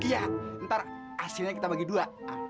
iya ntar hasilnya kita bagi dua